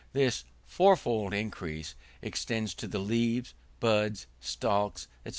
This fourfold increase extends to the leaves, buds, stalks, &c.